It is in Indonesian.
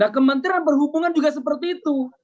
kementerian perhubungan juga seperti itu